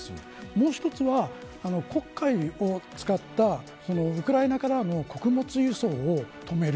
もう一つは、黒海を使ったウクライナからの穀物輸送を止める。